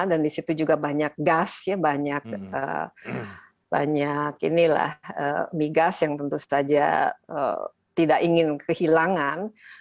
dan di situ juga banyak gas banyak bigas yang tentu saja tidak ingin kehilangan